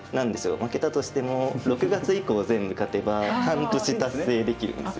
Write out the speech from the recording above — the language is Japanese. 負けたとしても６月以降全部勝てば半年達成できるんですよ。